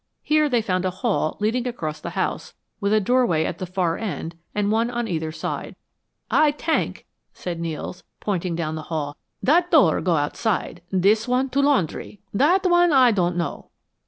Here they found a hall leading across the house, with a doorway at the far end, and one on either side. "Aye tenk," said Nels, pointing down the hall, "dat door go outside dis one to laundry dat one Aye don't know."